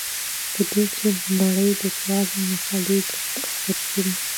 په دې کې د نړۍ د لیکوالو مقالې خپریږي.